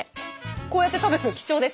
こうやって食べるの貴重です。